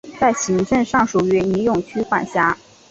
在行政上属于尼永区管辖。